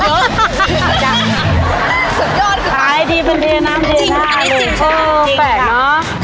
สุดยอดค่ะคล้ายดีเป็นเดียวน้ำจริงอันนี้จริงใช่เออแปลก